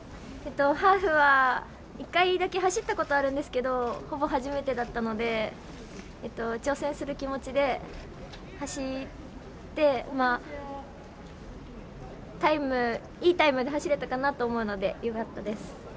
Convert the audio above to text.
ハーフは一回だけ走ったことがあるんですけどほぼ初めてだったので、挑戦する気持ちで走って、いいタイムで走れたかなと思うので、よかったです。